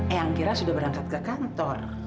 yang kira sudah berangkat ke kantor